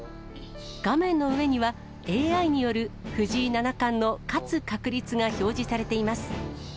画面の上には、ＡＩによる藤井七冠の勝つ確率が表示されています。